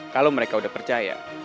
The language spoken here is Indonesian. kalo mereka udah percaya